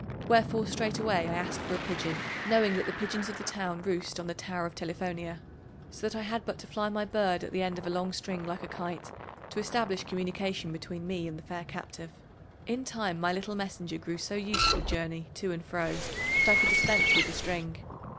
Wherefore straightway I asked for a pigeon, knowing that the pigeons of the town roost on the Tower of Telifonia, so that I had but to fly my bird at the end of a long string like a kite to establish communication between me and the fair captive. In time my little messenger grew so used to the journey to and fro that I could dispense with the string.